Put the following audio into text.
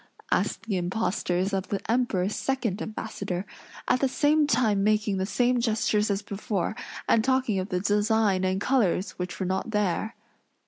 asked the impostors of the Emperor's second ambassador; at the same time making the same gestures as before, and talking of the design and colors which were not there.